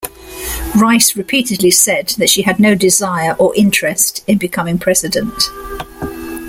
Rice repeatedly said that she had no desire or interest in becoming president.